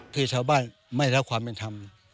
ที่ชาวบ้านไม่รับความเป็นธรรม